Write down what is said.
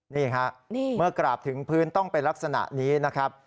นี่ฮะเมื่อกราบถึงพื้นต้องเป็นลักษณะนี้นะครับ